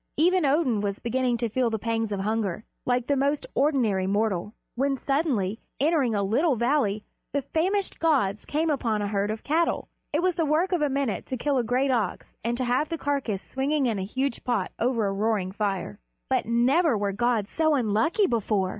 Even Odin was beginning to feel the pangs of hunger, like the most ordinary mortal, when suddenly, entering a little valley, the famished gods came upon a herd of cattle. It was the work of a minute to kill a great ox and to have the carcass swinging in a huge pot over a roaring fire. But never were gods so unlucky before!